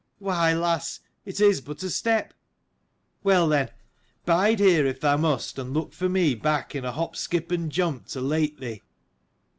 "Why, lass, it is but a step. Well, then: well, then: bide here if thou must, and look for me back in a hop, skip and jump to lait thee."